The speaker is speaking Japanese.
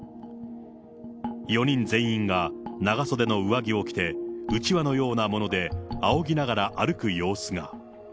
４人全員が長袖の上着を着て、うちわのようなものであおぎながら歩く様子が。